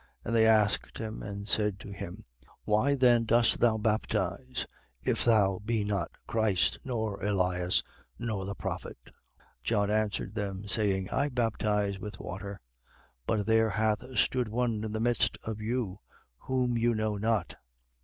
1:25. And they asked him and said to him: Why then dost thou baptize, if thou be not Christ, nor Elias, nor the prophet? 1:26. John answered them, saying: I baptize with water: but there hath stood one in the midst of you, whom you know not.